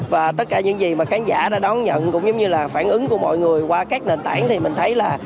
và tất cả những gì mà khán giả đã đón nhận cũng giống như là phản ứng của mọi người qua các nền tảng thì mình thấy là